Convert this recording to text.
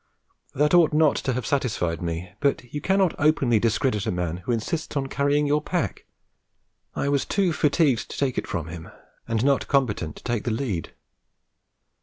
That ought not to have satisfied me; but you cannot openly discredit a man who insists on carrying your pack. I was too fatigued to take it from him, and not competent to take the lead.